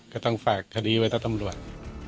ก็ต้องฝากคดีไว้ถ้าตำรวจ